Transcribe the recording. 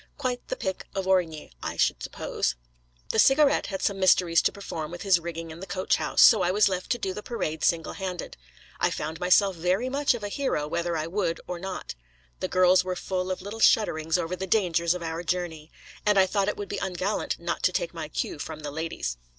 Quite the pick of Origny, I should suppose. The Cigarette had some mysteries to perform with his rigging in the coach house; so I was left to do the parade single handed. I found myself very much of a hero whether I would or not. The girls were full of little shudderings over the dangers of our journey. And I thought it would be ungallant not to take my cue from the ladies.